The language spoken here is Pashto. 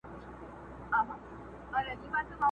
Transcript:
د پاچا لمن لاسونو كي روان وه!!